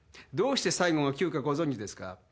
「どうして最後が『９』かご存じですか？」